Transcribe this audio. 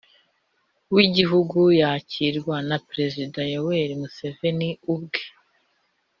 w'igihugu yakirrwa na perezida yoweri museveni ubwe.